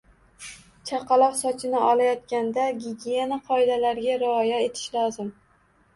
Chaqaloq sochini olayotganda gigiyena qoidalariga rioya etish lozim.